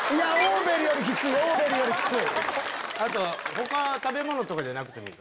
他食べ物とかじゃなくてもいい。